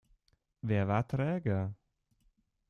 Wer war träger?